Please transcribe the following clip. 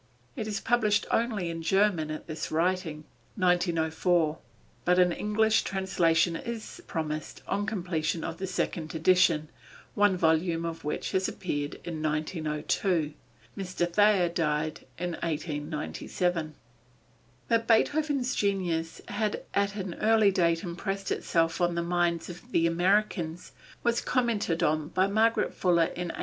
It is published only in German at this writing (1904), but an English translation is promised on completion of the second edition, one volume of which has appeared in 1902. Mr. Thayer died in 1897. [E] That Beethoven's genius had at an early date impressed itself on the minds of Americans, was commented on by Margaret Fuller in 1841.